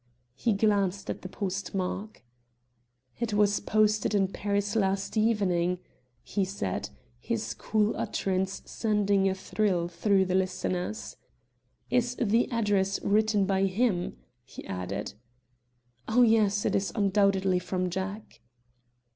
He glanced at the postmark. "It was posted in Paris last evening," he said, his cool utterance sending a thrill through the listeners. "Is the address written by him?" he added. "Oh, yes. It is undoubtedly from Jack."